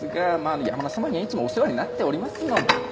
あの山田様にはいつもお世話になっておりますので。